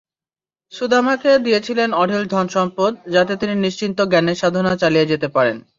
সুদামাকে দিয়েছিলেন অঢেল ধনসম্পদ—যাতে তিনি নিশ্চিন্তে জ্ঞানের সাধনা চালিয়ে যেতে পারেন।